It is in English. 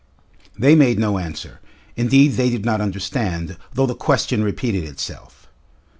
They made no answer. Indeed they did not understand, though the question repeated itself.